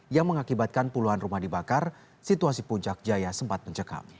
yang mengakibatkan puluhan rumah dibakar situasi puncak jaya sempat mencekam